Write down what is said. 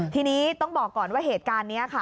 ทีนี้ต้องบอกก่อนว่าเหตุการณ์นี้ค่ะ